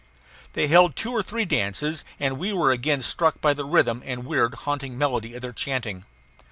They held two or three dances, and we were again struck by the rhythm and weird, haunting melody of their chanting.